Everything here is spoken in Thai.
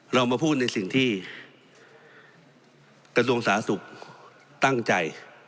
เรามาพูดในสิ่งที่กระทรวงสาธารณะสูงศัตริย์ตั้งใจ